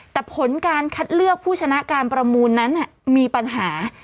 แต่ผลการคัดเลือกผู้ชนะการประมูลนั้นมีปัญหา